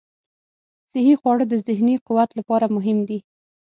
صحي خواړه د ذهني قوت لپاره مهم دي.